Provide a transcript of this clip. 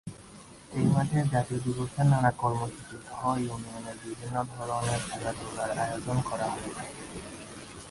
এই মাঠে জাতীয় দিবসের নানা কর্মসূচী সহ ইউনিয়নের বিভিন্ন ধরনের খেলাধুলার আয়োজন করা হয়ে থাকে।